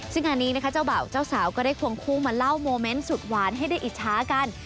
ซึ่งอันนี้นะคะเจ้าบ่าวเจ้าสาวก็ได้ควงคู่มาเล่าโมเมนต์สุดหวานให้ได้อิจฉากัน